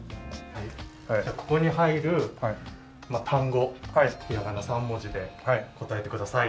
じゃあここに入る単語ひらがな３文字で答えてください。